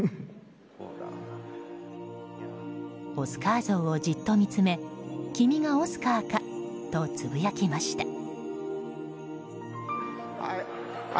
オスカー像をじっと見つめ君がオスカーかとつぶやきました。